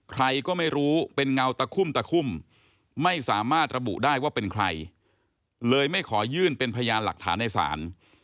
ใครก็ไม่รู้เป็นเงาตะคุ่มตะคุ่มไม่สามารถระบุได้ว่าเป็นใครเลยไม่ขอยื่นเป็นพยานหลักฐานในศาล